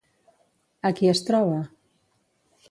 A qui es troba?